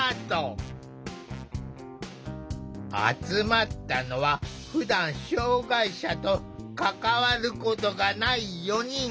集まったのはふだん障害者と関わることがない４人。